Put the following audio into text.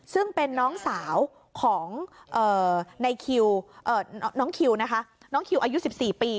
ซึ่งเป็นน้องสาวของน้องคิวอายุ๑๔ปี